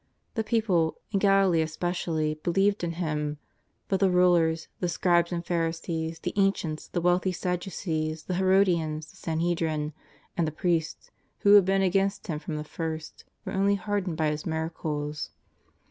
The people, in Galilee especially, believed in Him, but the rulers — the Scribes and Phari sess, the ancients, the wealthy Sadducees, the Hero dians, the Sanhedrin, and the priests, who had been against Him from the first, were only hardened by His miracles.